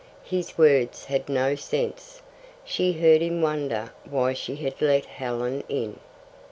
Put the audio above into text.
His words had no sense. She heard him wonder why she had let Helen in.